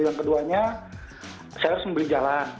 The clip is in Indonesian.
yang keduanya saya harus membeli jalan